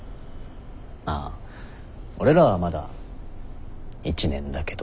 まあ俺らはまだ１年だけど。